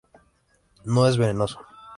No es venenoso.